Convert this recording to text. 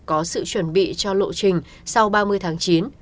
có sự chuẩn bị cho lộ trình sau ba mươi tháng chín